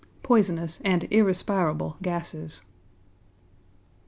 _ Poisonous and irrespirable gases.